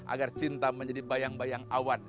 agar cinta menjadi bayang bayang awan